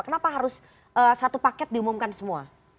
kenapa harus satu paket diumumkan semua